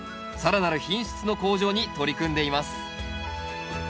更なる品質の向上に取り組んでいます。